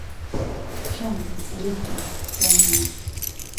که بهرۆکت جوانه